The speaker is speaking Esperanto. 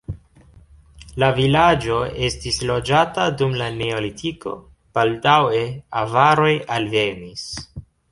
La vilaĝo estis loĝata dum la neolitiko, baldaŭe avaroj alvenis.